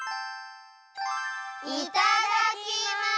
いただきます！